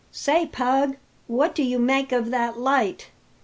"Say, Pug, what do you make of that light?"